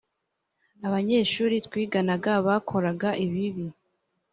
abanyeshuri twiganaga bakoraga ibibi